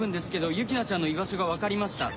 ユキナちゃんの居場所が分かりました。